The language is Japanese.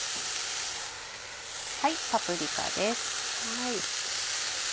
パプリカです。